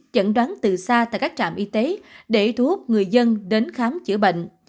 chẩn đoán từ xa tại các trạm y tế để thu hút người dân đến khám chữa bệnh